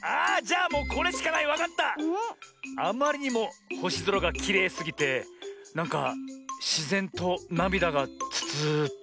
あまりにもほしぞらがきれいすぎてなんかしぜんとなみだがツツーって。